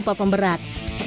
jangan lupa pemberat